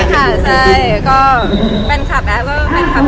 ค่ะถูกสั่งเพื่อขอบคุณครับ